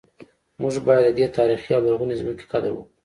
موږ باید د دې تاریخي او لرغونې ځمکې قدر وکړو